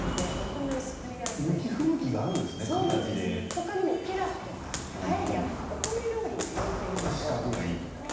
他にもピラフとかパエリアとかお米料理に向いています。